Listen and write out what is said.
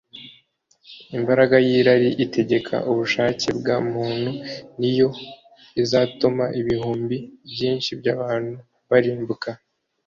imbaraga y'irari itegeka ubushake bwa muntu ni yo izatuma ibihumbi byinshi by'abantu barimbuka